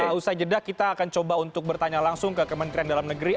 setelah usai jeda kita akan coba untuk bertanya langsung ke kementerian dalam negeri